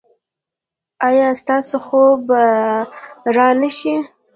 ایا ستاسو خوب به را نه شي؟